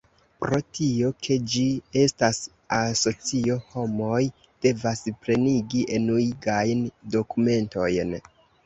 Pro tio ke ĝi estas asocio, homoj devas plenigi enuigajn dokumentojn.